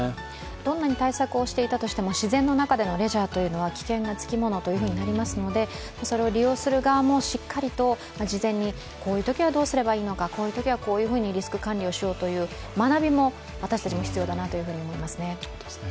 どんなに対策をしていたとしても自然の中のレジャーは危険がつきものとなりますので、それを利用する側も、しっかりと事前にこういうときはどうすればいいのかこういうときはこういうふうにリスク管理をしようという学びも私たちも必要だなと思いますね。